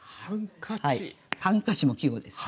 「ハンカチ」も季語です。